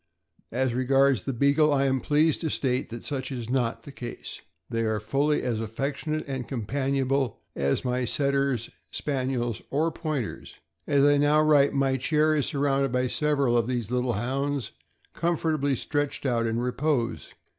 As regards the Beagle, I am pleased to state that such is not the case. They are fully as affectionate and companionable as my Setters, Spaniels, or Pointers. As I now write, my chair is surrounded by several of these little Hounds, com fortably stretched out in repose.